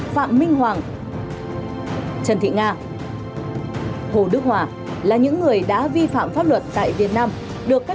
phạm minh hoàng trần thị nga hồ đức hòa là những người đã vi phạm pháp luật tại việt nam được các